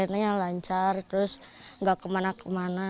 mainannya lancar terus gak kemana kemana